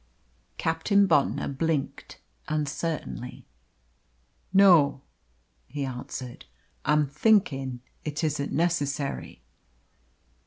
Captain Bontnor blinked uncertainly. "No," he answered, "I'm thinkin' it isn't necessary."